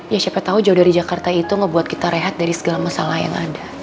ya siapa tahu jauh dari jakarta itu ngebuat kita rehat dari segala masalah yang ada